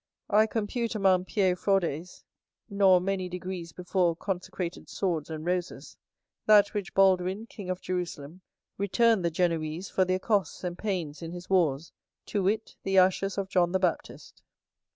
I compute among piæ fraudes, nor many degrees before consecrated swords and roses, that which Baldwin, king of Jerusalem, returned the Genoese for their costs and pains in his wars; to wit, the ashes of John the Baptist.